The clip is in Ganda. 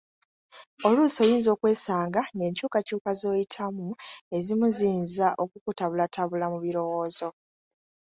Oluusi oyinza okwesanga ng'enkyukakyuka z'oyitamu ezimu ziyinza okukutabulatabula mu birowoozo.